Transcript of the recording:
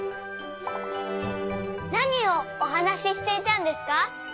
なにをおはなししていたんですか？